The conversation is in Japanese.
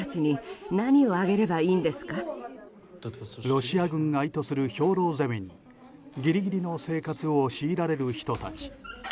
ロシア軍が意図する兵糧攻めにギリギリの生活を強いられる人たち。